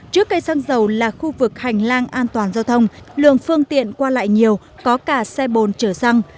trước cây xăng dầu là khu vực hành lang an toàn giao thông lượng phương tiện qua lại nhiều có cả xe bồn chở xăng